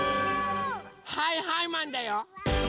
はいはいマンだよ！